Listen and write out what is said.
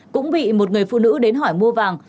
cũng bị một người phụ nữ đến hỏi mua vàng